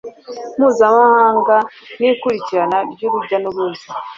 mpuzamahanga n ikurikirana ry urujya n uruza